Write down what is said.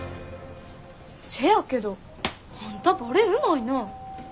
せやけどあんたバレエうまいな。